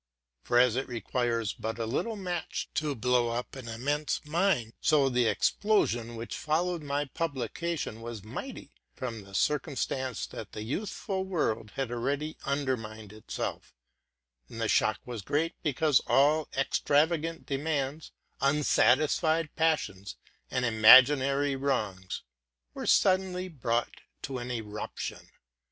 For as it requires but a little match to blow up an immense mine, so the explosion which followed my publication was mighty, from the circumstance that the youthful world had already undermined itself; and the shock was great, because all extravagant demands, unsatisfied passions, and imaginary wrongs were suddenly brought to an eruption.